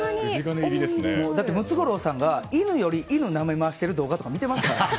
だってムツゴロウさんが犬より犬をなめ回している動画とか見てましたよ。